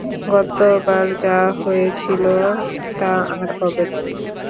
গতবার যা হয়েছিল তা আর হবে না।